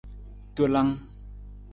Tolang.